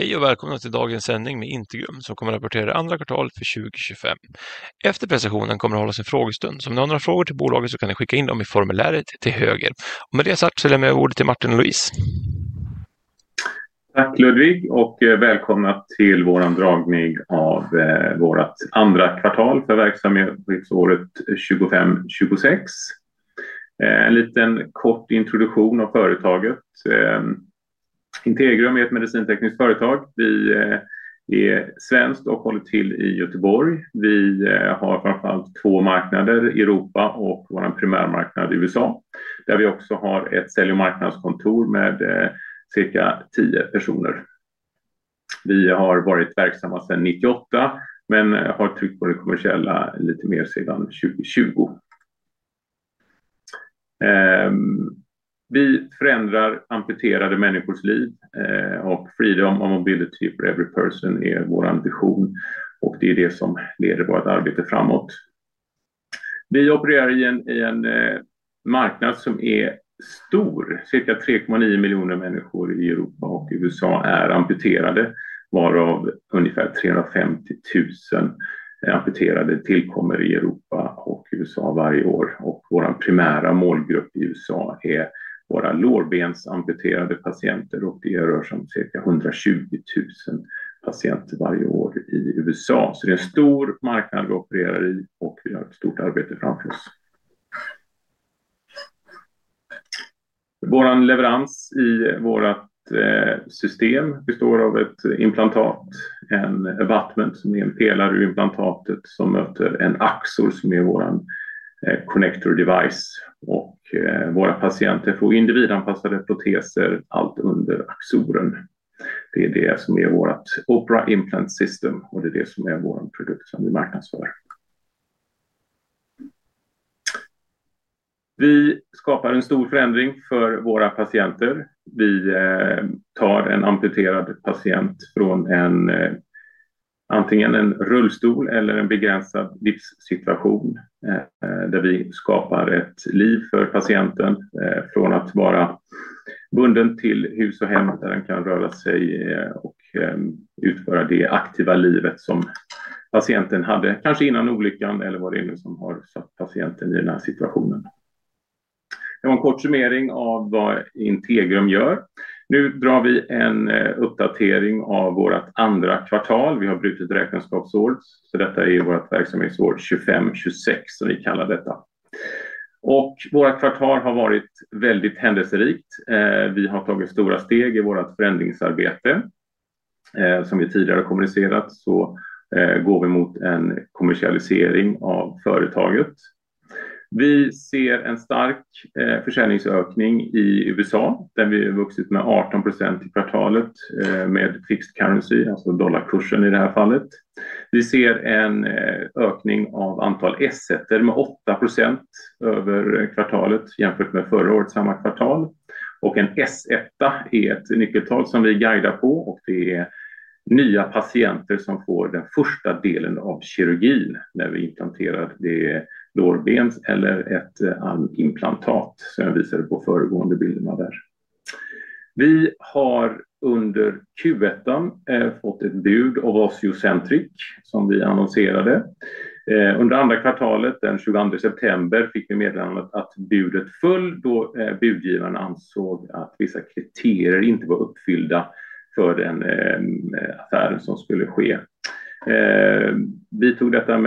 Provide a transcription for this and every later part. Hej och välkomna till dagens sändning med Intergrum som kommer att rapportera det andra kvartalet för 2025. Efter presentationen kommer det att hållas en frågestund. Så om ni har några frågor till bolaget så kan ni skicka in dem i formuläret till höger. Och med det sagt så lämnar jag ordet till Martin och Louise. Tack Ludvig och välkomna till vår dragning av vårt andra kvartal för verksamhetsåret 2025-26. En liten kort introduktion av företaget. Integrum är ett medicintekniskt företag. Vi är svenskt och håller till i Göteborg. Vi har framförallt två marknader i Europa och vår primärmarknad i USA där vi också har ett sälj- och marknadskontor med cirka 10 personer. Vi har varit verksamma sedan 1998 men har tryckt på det kommersiella lite mer sedan 2020. Vi förändrar amputerade människors liv och "freedom of mobility for every person" är vår vision och det är det som leder vårt arbete framåt. Vi opererar i en marknad som är stor. Cirka 3,9 miljoner människor i Europa och i USA är amputerade, varav ungefär 350 000 amputerade tillkommer i Europa och i USA varje år. Och vår primära målgrupp i USA är våra lårbensamputerade patienter och det rör sig om cirka 120,000 patienter varje år i USA. Så det är en stor marknad vi opererar i och vi har ett stort arbete framför oss. Vår leverans i vårt system består av ett implantat, en abutment som är en pelare ur implantatet som möter en axel som är vår connector device och våra patienter får individanpassade proteser allt under axeln. Det är det som är vårt Opera Implant System och det är det som är vår produkt som vi marknadsför. Vi skapar en stor förändring för våra patienter. Vi tar en amputerad patient från en antingen en rullstol eller en begränsad livssituation där vi skapar ett liv för patienten från att vara bunden till hus och hem där den kan röra sig och utföra det aktiva livet som patienten hade kanske innan olyckan eller vad det nu är som har satt patienten i den här situationen. Det var en kort summering av vad Integrum gör. Nu drar vi en uppdatering av vårt andra kvartal. Vi har brutit räkenskapsåret så detta är vårt verksamhetsår 25/26 som vi kallar detta. Vårt kvartal har varit väldigt händelserikt. Vi har tagit stora steg i vårt förändringsarbete. Som vi tidigare har kommunicerat så går vi mot en kommersialisering av företaget. Vi ser en stark försäljningsökning i USA där vi har vuxit med 18% i kvartalet med fixed currency alltså dollarkursen i det här fallet. Vi ser en ökning av antal S1:or med 8% över kvartalet jämfört med förra årets samma kvartal och en S1:a är ett nyckeltal som vi guidar på och det är nya patienter som får den första delen av kirurgin när vi implanterar det lårbens eller ett armimplantat som jag visade på föregående bilderna där. Vi har under Q1:an fått ett bud av Osiocentric som vi annonserade. Under andra kvartalet den 22 september fick vi meddelandet att budet föll då budgivaren ansåg att vissa kriterier inte var uppfyllda för den affären som skulle ske. Vi tog detta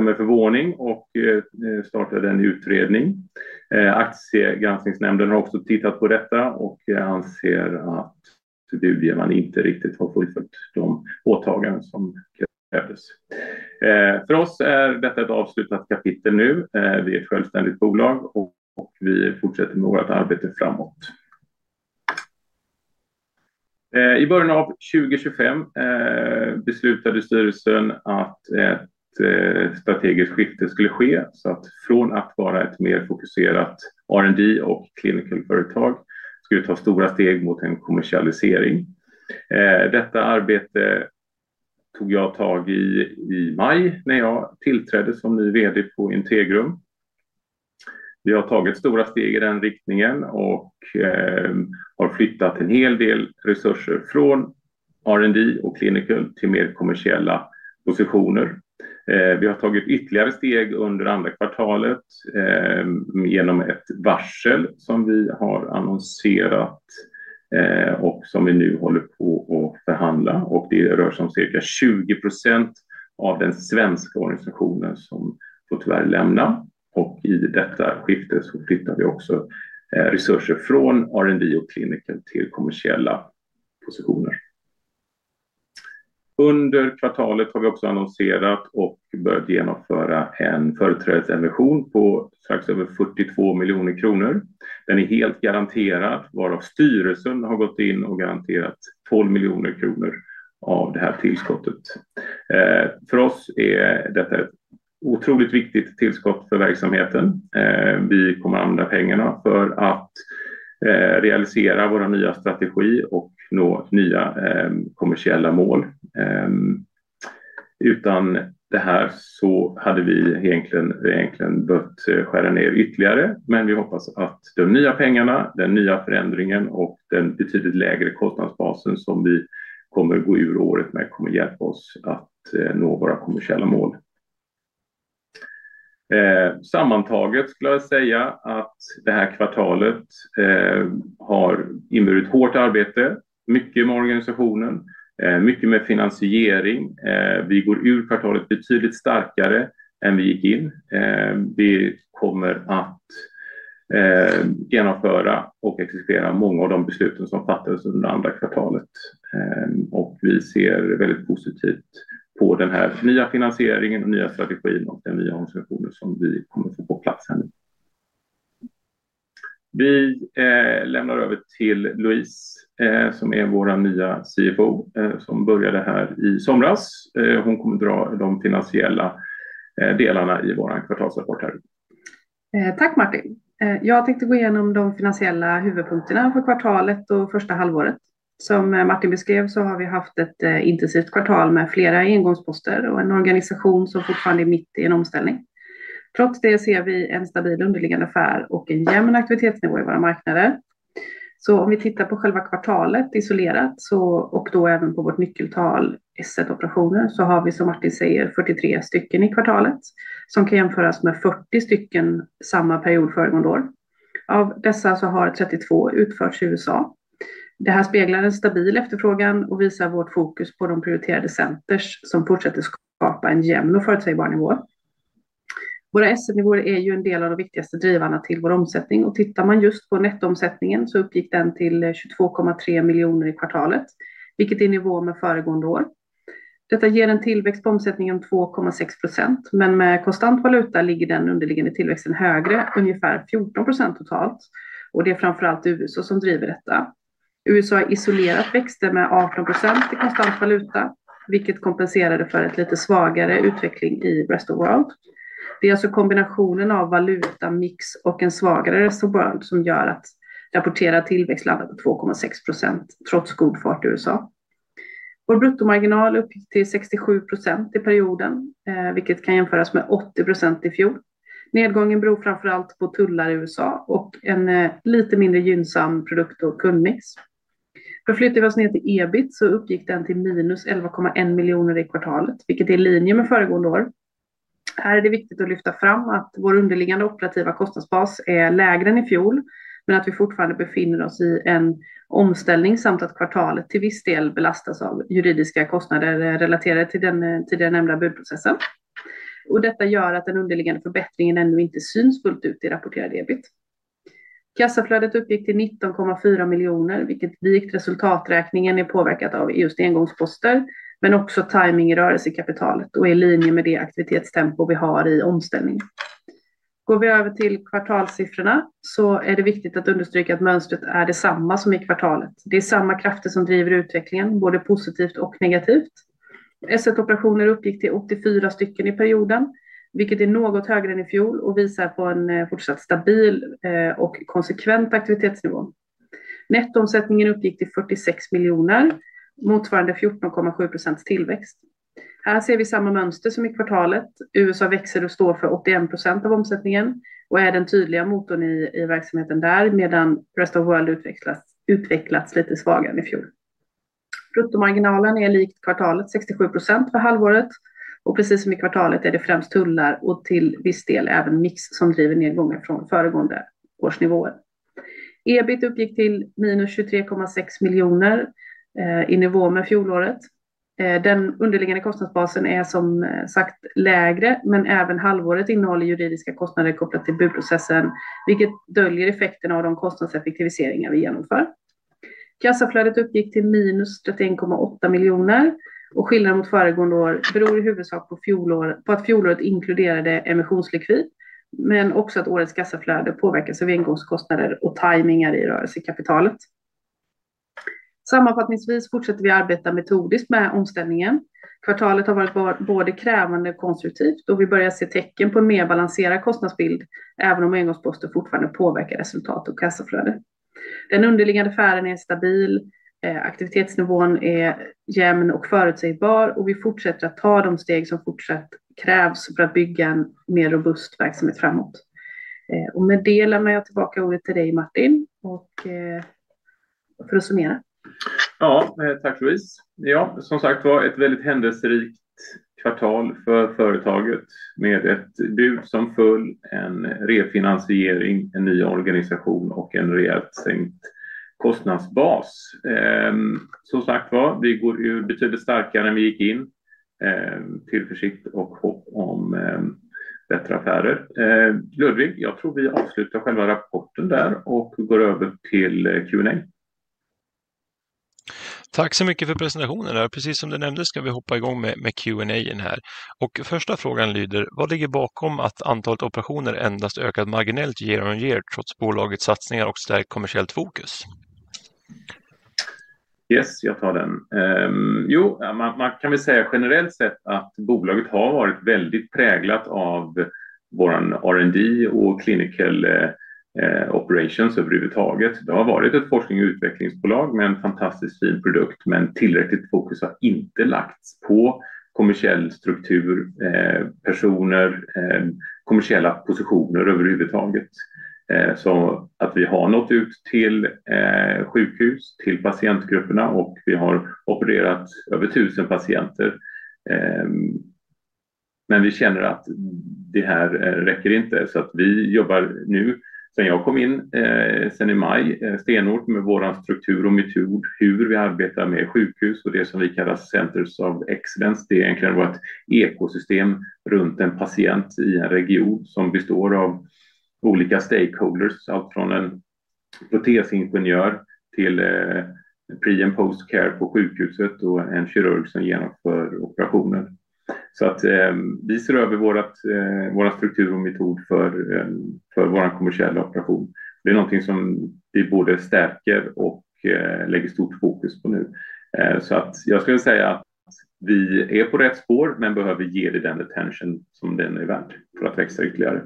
med förvåning och startade en utredning. Aktiegranskningsnämnden har också tittat på detta och anser att budgivaren inte riktigt har fullföljt de åtaganden som krävdes. För oss är detta ett avslutat kapitel nu. Vi är ett självständigt bolag och vi fortsätter med vårt arbete framåt. I början av 2025 beslutade styrelsen att ett strategiskt skifte skulle ske så att från att vara ett mer fokuserat R&D och clinical företag skulle ta stora steg mot en kommersialisering. Detta arbete tog jag tag i i maj när jag tillträdde som ny VD på Integrum. Vi har tagit stora steg i den riktningen och har flyttat en hel del resurser från R&D och clinical till mer kommersiella positioner. Vi har tagit ytterligare steg under andra kvartalet genom ett varsel som vi har annonserat och som vi nu håller på att förhandla och det rör sig om cirka 20% av den svenska organisationen som får tyvärr lämna. I detta skifte så flyttar vi också resurser från R&D och clinical till kommersiella positioner. Under kvartalet har vi också annonserat och börjat genomföra en företrädesemission på strax över 42 miljoner kronor. Den är helt garanterad varav styrelsen har gått in och garanterat 12 miljoner kronor av det här tillskottet. För oss är detta ett otroligt viktigt tillskott för verksamheten. Vi kommer att använda pengarna för att realisera vår nya strategi och nå nya kommersiella mål. Utan det här så hade vi egentligen behövt skära ner ytterligare men vi hoppas att de nya pengarna, den nya förändringen och den betydligt lägre kostnadsbasen som vi kommer gå ur året med kommer hjälpa oss att nå våra kommersiella mål. Sammantaget skulle jag säga att det här kvartalet har inburit hårt arbete, mycket med organisationen, mycket med finansiering. Vi går ur kvartalet betydligt starkare än vi gick in. Vi kommer att genomföra och exekvera många av de besluten som fattades under andra kvartalet. Och vi ser väldigt positivt på den här nya finansieringen och nya strategin och den nya organisationen som vi kommer få på plats här nu. Vi lämnar över till Louise som är vår nya CFO som började här i somras. Hon kommer dra de finansiella delarna i vår kvartalsrapport här. Tack Martin. Jag tänkte gå igenom de finansiella huvudpunkterna för kvartalet och första halvåret. Som Martin beskrev så har vi haft ett intensivt kvartal med flera engångsposter och en organisation som fortfarande är mitt i en omställning. Trots det ser vi en stabil underliggande affär och en jämn aktivitetsnivå i våra marknader. Om vi tittar på själva kvartalet isolerat och då även på vårt nyckeltal S1-operationer så har vi som Martin säger 43 stycken i kvartalet som kan jämföras med 40 stycken samma period föregående år. Av dessa så har 32 utförts i USA. Det här speglar en stabil efterfrågan och visar vårt fokus på de prioriterade centers som fortsätter skapa en jämn och förutsägbar nivå. Våra S1-nivåer är ju en del av de viktigaste drivande till vår omsättning och tittar man just på nettoomsättningen så uppgick den till 22,3 miljoner i kvartalet vilket är nivå med föregående år. Detta ger en tillväxt på omsättningen 2,6% men med konstant valuta ligger den underliggande tillväxten högre ungefär 14% totalt och det är framförallt USA som driver detta. USA isolerat växte med 18% i konstant valuta vilket kompenserade för ett lite svagare utveckling i rest of world. Det är alltså kombinationen av valutamix och en svagare rest of world som gör att rapporterad tillväxt landar på 2,6% trots god fart i USA. Vår bruttomarginal uppgick till 67% i perioden vilket kan jämföras med 80% i fjol. Nedgången beror framförallt på tullar i USA och en lite mindre gynnsam produkt och kundmix. Förflyttar vi oss ner till EBIT så uppgick den till minus 11,1 miljoner i kvartalet vilket är i linje med föregående år. Här är det viktigt att lyfta fram att vår underliggande operativa kostnadsbas är lägre än i fjol men att vi fortfarande befinner oss i en omställning samt att kvartalet till viss del belastas av juridiska kostnader relaterade till den tidigare nämnda budprocessen. Detta gör att den underliggande förbättringen ännu inte syns fullt ut i rapporterad EBIT. Kassaflödet uppgick till 19,4 miljoner vilket viktigt resultaträkningen är påverkat av just engångsposter men också timing i rörelsekapitalet och är i linje med det aktivitetstempo vi har i omställning. Går vi över till kvartalssiffrorna så är det viktigt att understryka att mönstret är detsamma som i kvartalet. Det är samma krafter som driver utvecklingen både positivt och negativt. S1-operationer uppgick till 84 stycken i perioden vilket är något högre än i fjol och visar på en fortsatt stabil och konsekvent aktivitetsnivå. Nettoomsättningen uppgick till 46 miljoner motsvarande 14,7% tillväxt. Här ser vi samma mönster som i kvartalet. USA växer och står för 81% av omsättningen och är den tydliga motorn i verksamheten medan rest of world utvecklats lite svagare än i fjol. Bruttomarginalen är likt kvartalet 67% för halvåret och precis som i kvartalet är det främst tullar och till viss del även mix som driver nedgångar från föregående årsnivåer. EBIT uppgick till minus 23,6 miljoner i nivå med fjolåret. Den underliggande kostnadsbasen är som sagt lägre men även halvåret innehåller juridiska kostnader kopplat till budprocessen vilket döljer effekterna av de kostnadseffektiviseringar vi genomför. Kassaflödet uppgick till minus 31,8 miljoner och skillnaden mot föregående år beror i huvudsak på att fjolåret inkluderade emissionslikvid men också att årets kassaflöde påverkas av engångskostnader och timingar i rörelsekapitalet. Sammanfattningsvis fortsätter vi arbeta metodiskt med omställningen. Kvartalet har varit både krävande och konstruktivt och vi börjar se tecken på en mer balanserad kostnadsbild även om engångsposter fortfarande påverkar resultat och kassaflöde. Den underliggande affären är stabil, aktivitetsnivån är jämn och förutsägbar och vi fortsätter att ta de steg som fortsatt krävs för att bygga en mer robust verksamhet framåt. Med det lämnar jag tillbaka ordet till dig Martin för att summera. Ja tack Louise. Ja som sagt var ett väldigt händelserikt kvartal för företaget med ett bud som föll, en refinansiering, en ny organisation och en rejält sänkt kostnadsbas. Som sagt går vi ju betydligt starkare ut än vi gick in till försikt och hopp om bättre affärer. Ludvig, jag tror vi avslutar själva rapporten där och går över till Q&A. Tack så mycket för presentationen där. Precis som du nämnde ska vi hoppa igång med Q&A här. Första frågan lyder: Vad ligger bakom att antalet operationer endast ökat marginellt year-on-year trots bolagets satsningar och starkt kommersiella fokus? Ja, jag tar den. Jo, man kan väl säga generellt sett att bolaget har varit väldigt präglat av vår R&D och clinical operations överhuvudtaget. Det har varit ett forsknings- och utvecklingsbolag med en fantastiskt fin produkt men tillräckligt fokus har inte lagts på kommersiell struktur, personer, kommersiella positioner överhuvudtaget. Vi har nått ut till sjukhus, till patientgrupperna och vi har opererat över 1000 patienter. Men vi känner att det här räcker inte, så vi jobbar nu sen jag kom in sen i maj stenhårt med vår struktur och metod hur vi arbetar med sjukhus och det som vi kallar Centers of Excellence. Det är egentligen vårt ekosystem runt en patient i en region som består av olika stakeholders, allt från en protesingenjör till pre and post care på sjukhuset och en kirurg som genomför operationer. Så att vi ser över vår struktur och metod för vår kommersiella operation. Det är någonting som vi både stärker och lägger stort fokus på nu, så att jag skulle säga att vi är på rätt spår men behöver ge det den attention som den är värd för att växa ytterligare.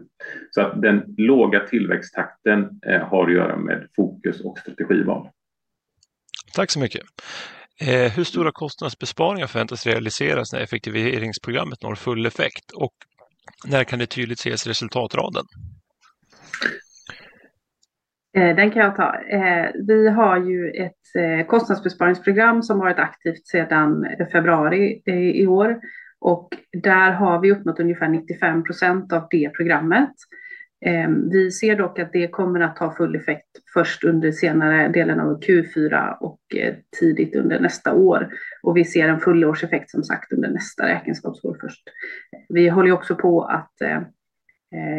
Den låga tillväxttakten har att göra med fokus och strategival. Tack så mycket. Hur stora kostnadsbesparingar förväntas realiseras när effektiviseringsprogrammet når full effekt och när kan det tydligt ses i resultatraden? Den kan jag ta. Vi har ju ett kostnadsbesparingsprogram som har varit aktivt sedan februari i år och där har vi uppnått ungefär 95% av det programmet. Vi ser dock att det kommer att ha full effekt först under senare delen av Q4 och tidigt under nästa år och vi ser en fullårseffekt som sagt under nästa räkenskapsår först. Vi håller ju också på att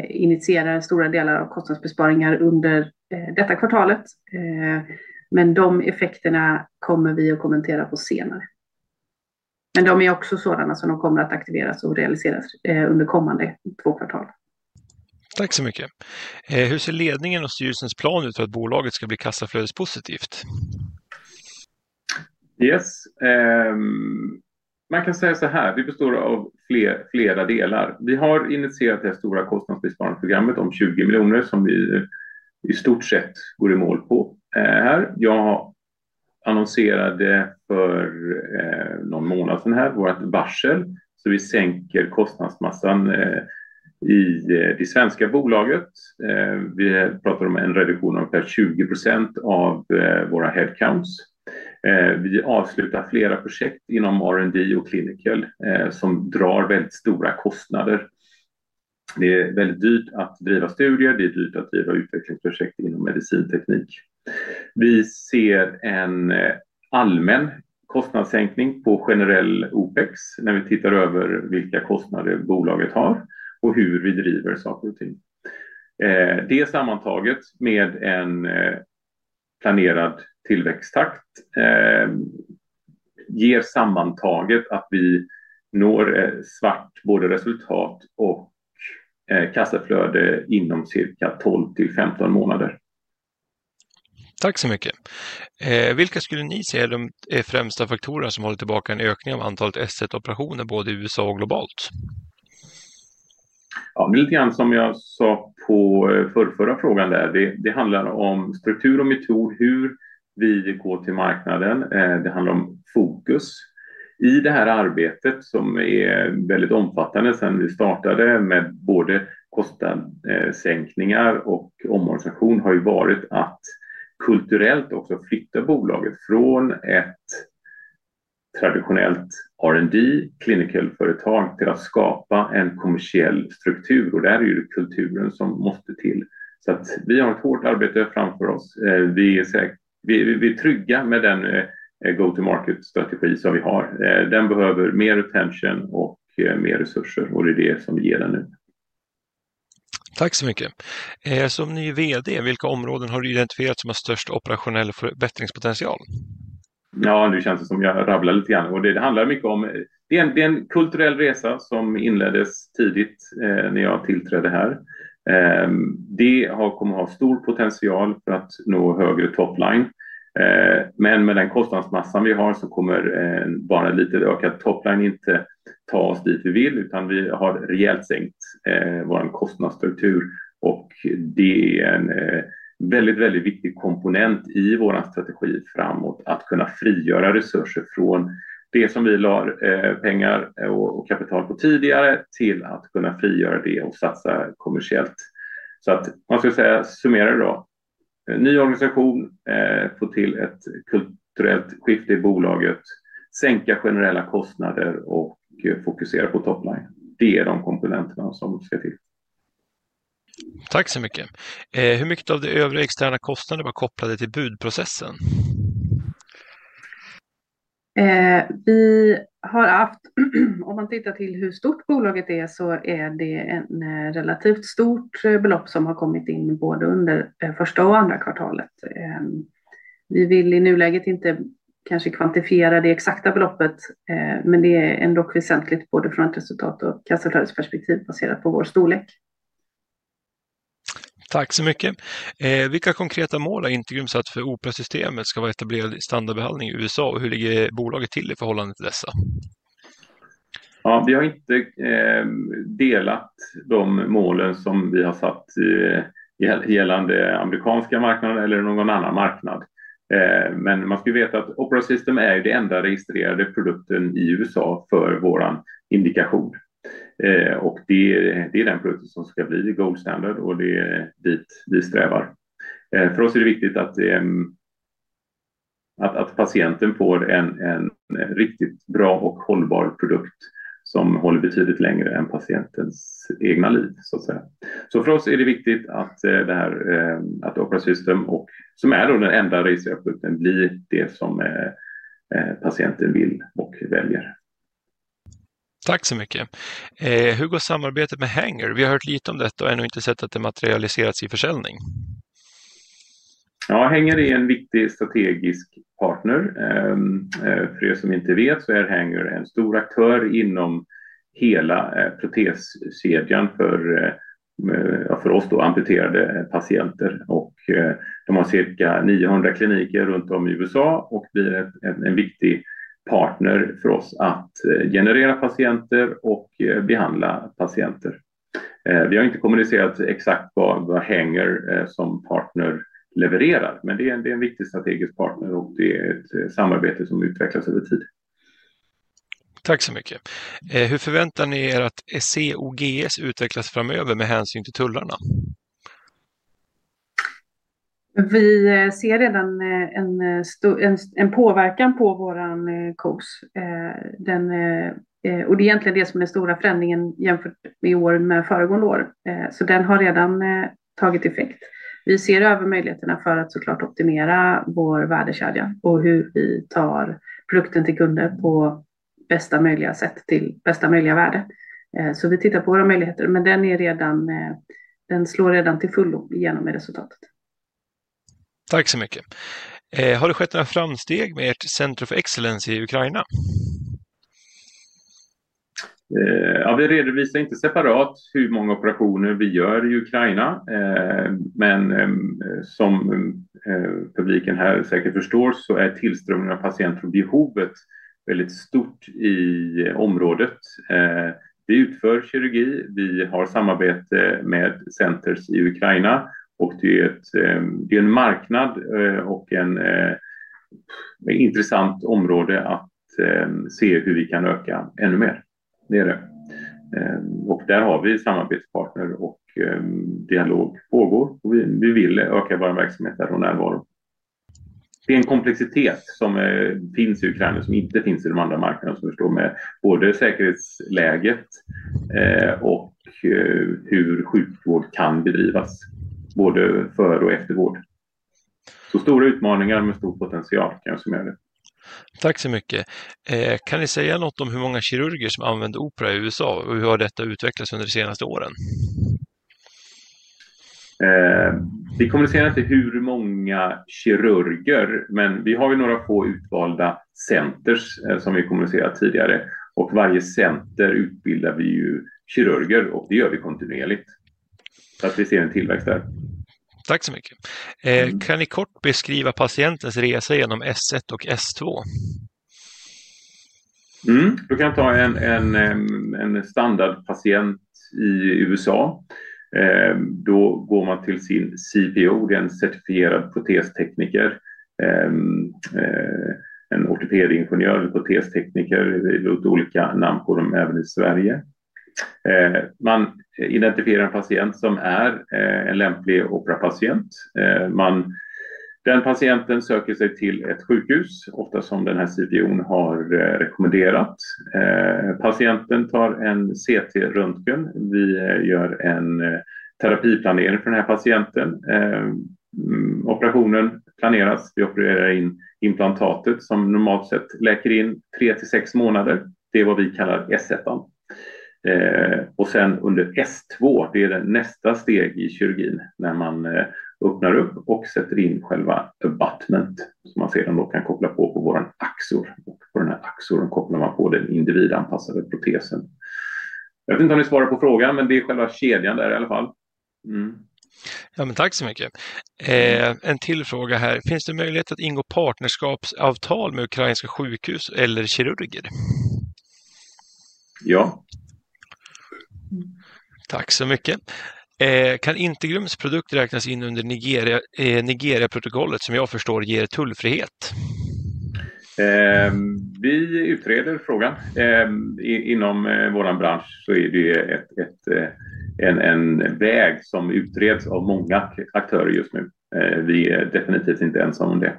initiera stora delar av kostnadsbesparingar under detta kvartalet. Men de effekterna kommer vi att kommentera på senare. Men de är också sådana som de kommer att aktiveras och realiseras under kommande två kvartal. Tack så mycket. Hur ser ledningens och styrelsens plan ut för att bolaget ska bli kassaflödespositivt? Ja, man kan säga så här: vi består av flera delar. Vi har initierat det här stora kostnadsbesparingsprogrammet om 20 miljoner som vi i stort sett går i mål på här. Jag har annonserat för någon månad sedan här vårt varsel så vi sänker kostnadsmassan i det svenska bolaget. Vi pratar om en reduktion av ungefär 20% av våra headcounts. Vi avslutar flera projekt inom R&D och clinical som drar väldigt stora kostnader. Det är väldigt dyrt att driva studier, det är dyrt att driva utvecklingsprojekt inom medicinteknik. Vi ser en allmän kostnadssänkning på generell OPEX när vi tittar över vilka kostnader bolaget har och hur vi driver saker och ting. Det sammantaget med en planerad tillväxttakt ger sammantaget att vi når svart både resultat och kassaflöde inom cirka 12 till 15 månader. Tack så mycket. Vilka skulle ni se är de främsta faktorerna som håller tillbaka en ökning av antalet S1-operationer både i USA och globalt? Ja men lite grann som jag sa på förrförra frågan där det handlar om struktur och metod hur vi går till marknaden. Det handlar om fokus i det här arbetet som är väldigt omfattande sen vi startade med både kostnadssänkningar och omorganisation har ju varit att kulturellt också flytta bolaget från ett traditionellt R&D clinical företag till att skapa en kommersiell struktur och där är ju kulturen som måste till. Så att vi har ett hårt arbete framför oss. Vi är säkert, vi är trygga med den go-to-market strategi som vi har. Den behöver mer attention och mer resurser och det är det som vi ger den nu. Tack så mycket. Som ny VD, vilka områden har du identifierat som har störst operationell förbättringspotential? Ja nu känns det som jag rabblar lite grann och det handlar mycket om det är en kulturell resa som inleddes tidigt när jag tillträdde här. Det kommer att ha stor potential för att nå högre topline. Men med den kostnadsmassan vi har så kommer bara en liten ökad topline inte ta oss dit vi vill utan vi har rejält sänkt vår kostnadsstruktur och det är en väldigt viktig komponent i vår strategi framåt att kunna frigöra resurser från det som vi la pengar och kapital på tidigare till att kunna frigöra det och satsa kommersiellt. Så att man ska säga summera det då. Ny organisation få till ett kulturellt skifte i bolaget sänka generella kostnader och fokusera på topline. Det är de komponenterna som ska till. Tack så mycket. Hur mycket av det övriga externa kostnaden var kopplade till budprocessen? Vi har haft, om man tittar till hur stort bolaget är, så är det en relativt stort belopp som har kommit in både under första och andra kvartalet. Vi vill i nuläget inte kanske kvantifiera det exakta beloppet, men det är ändå väsentligt både från ett resultat- och kassaflödesperspektiv baserat på vår storlek. Tack så mycket. Vilka konkreta mål har Interum satt för att operasystemet ska vara etablerat i standardbehandling i USA och hur ligger bolaget till i förhållande till dessa? Ja vi har inte delat de målen som vi har satt i gällande amerikanska marknaden eller någon annan marknad. Men man ska ju veta att Operasystem är ju det enda registrerade produkten i USA för vår indikation. Och det det är den produkten som ska bli gold standard och det är dit vi strävar. För oss är det viktigt att patienten får en riktigt bra och hållbar produkt som håller betydligt längre än patientens egna liv så att säga. Så för oss är det viktigt att det här att Operasystem och som är då den enda registrerade produkten blir det som patienten vill och väljer. Tack så mycket. Hur går samarbetet med Hanger? Vi har hört lite om detta och ännu inte sett att det materialiserats i försäljning. Ja, Hanger är en viktig strategisk partner. För som inte vet så är Hanger en stor aktör inom hela proteskedjan för oss amputerade patienter och de har cirka 900 kliniker runt om i USA och blir en viktig partner för oss att generera patienter och behandla patienter. Vi har inte kommunicerat exakt vad Hanger som partner levererar men det är en viktig strategisk partner och det är ett samarbete som utvecklas över tid. Tack så mycket. Hur förväntar ni att SEOGS utvecklas framöver med hänsyn till tullarna? Vi ser redan en stor påverkan på vår COS och det är egentligen det som är den stora förändringen jämfört med föregående år. Den har redan tagit effekt. Vi ser över möjligheterna för att såklart optimera vår värdekedja och hur vi tar produkten till kunder på bästa möjliga sätt till bästa möjliga värde. Vi tittar på våra möjligheter men den slår redan till fullo igenom med resultatet. Tack så mycket. Har det skett några framsteg med ert center for excellence i Ukraina? Ja, vi redovisar inte separat hur många operationer vi gör i Ukraina. Men som publiken här säkert förstår så är tillströmningen av patientbehovet väldigt stort i området. Vi utför kirurgi, vi har samarbete med centers i Ukraina och det är ett, det är en marknad och en intressant område att se hur vi kan öka ännu mer nere. Där har vi samarbetspartner och dialog pågår och vi vill öka vår verksamhet där och närvaro. Det är en komplexitet som finns i Ukraina som inte finns i de andra marknaderna som vi står med, både säkerhetsläget och hur sjukvård kan bedrivas både för och efter vård. Så stora utmaningar med stor potential kan jag summera det. Tack så mycket. Kan ni säga något om hur många kirurger som använder Opera i USA och hur har detta utvecklats under de senaste åren? Vi kommunicerar inte hur många kirurger, men vi har ju några få utvalda centers som vi kommunicerat tidigare och varje center utbildar vi ju kirurger och det gör vi kontinuerligt. Så att vi ser en tillväxt där. Tack så mycket. Kan ni kort beskriva patientens resa genom S1 och S2? Då kan jag ta en standardpatient i USA. Då går man till sin CPO, det är en certifierad protestekniker. En ortopedingenjör eller protestekniker, det är lite olika namn på dem även i Sverige. Man identifierar en patient som är en lämplig operationspatient. Den patienten söker sig till ett sjukhus, ofta som den här CPO:n har rekommenderat. Patienten tar en CT-röntgen, vi gör en terapiplanering för den här patienten. Operationen planeras, vi opererar in implantatet som normalt sett läker in tre till sex månader. Det är vad vi kallar S1:an. Sen under S2, det är det nästa steg i kirurgin när man öppnar upp och sätter in själva abutment som man sedan då kan koppla på våran axor. På den här axorn kopplar man på den individanpassade protesen. Jag vet inte om ni svarar på frågan men det är själva kedjan där i alla fall. Ja men tack så mycket. En till fråga här finns det möjlighet att ingå partnerskapsavtal med ukrainska sjukhus eller kirurger? Ja. Tack så mycket. Kan Interums produkt räknas in under Nigeriaprotokollet som jag förstår ger tullfrihet? Vi utreder frågan. Inom vår bransch så är det ju en väg som utreds av många aktörer just nu. Vi är definitivt inte ensamma om det.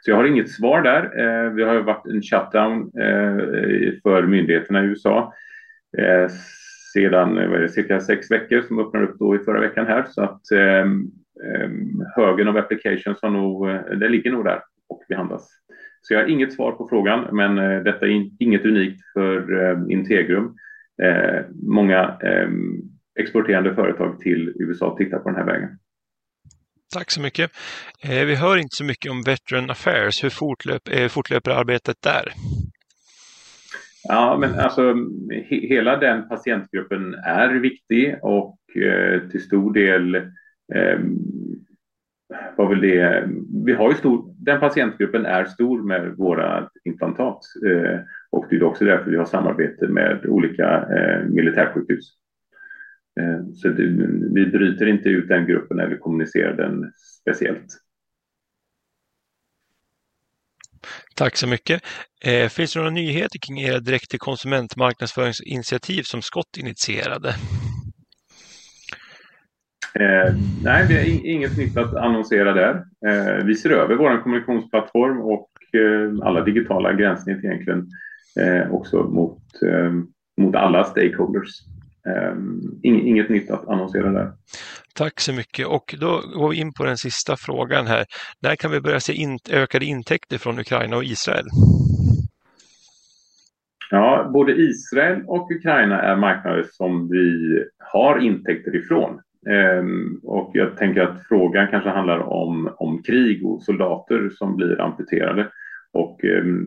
Så jag har inget svar där. Vi har ju varit en shutdown för myndigheterna i USA. Sedan vad är det cirka sex veckor som öppnade upp då i förra veckan här så att högen av applications har nog det ligger nog där och behandlas. Så jag har inget svar på frågan men detta är inget unikt för Integrum. Många exporterande företag till USA tittar på den här vägen. Tack så mycket. Vi hör inte så mycket om Veteran Affairs. Hur fortlöper arbetet där? Ja men alltså hela den patientgruppen är viktig och till stor del vad vi har ju stor den patientgruppen är stor med våra implantat och det är också därför vi har samarbete med olika militärsjukhus. Vi bryter inte ut den gruppen eller kommunicerar den speciellt. Tack så mycket. Finns det några nyheter kring era direkta konsumentmarknadsföringsinitiativ som Scott initierade? Nej, vi har inget nytt att annonsera där. Vi ser över vår kommunikationsplattform och alla digitala gränssnitt egentligen också mot alla stakeholders. Inget nytt att annonsera där. Tack så mycket och då går vi in på den sista frågan här. När kan vi börja se ökade intäkter från Ukraina och Israel? Ja, både Israel och Ukraina är marknader som vi har intäkter ifrån. Och jag tänker att frågan kanske handlar om krig och soldater som blir amputerade. Och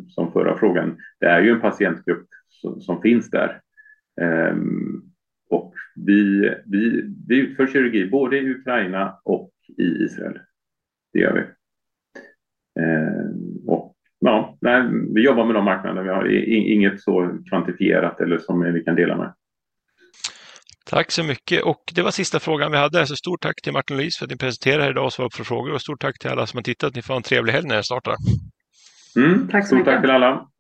som förra frågan, det är ju en patientgrupp som finns där. Och vi utför kirurgi både i Ukraina och i Israel. Det gör vi. Och ja, vi jobbar med de marknaderna, vi har inget så kvantifierat eller som vi kan dela med. Tack så mycket och det var sista frågan vi hade. Så stort tack till Martin Lis för att ni presenterade här idag och svarade på frågor och stort tack till alla som har tittat. Ni får ha en trevlig helg när den startar. Tack så mycket. Stort tack till alla.